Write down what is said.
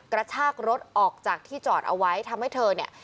กระชากรถออกจากที่จอดเอาไว้ทำให้เธอเนี่ย